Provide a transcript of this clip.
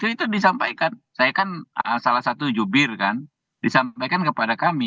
itu disampaikan saya kan salah satu jubir kan disampaikan kepada kami